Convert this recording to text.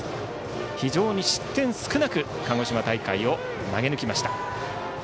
非常に失点少なく、鹿児島大会を投げ抜きました。